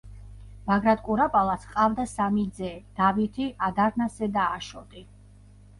ბაგრატ კურაპალატს ჰყავდა სამი ძე: დავითი, ადარნასე და აშოტი.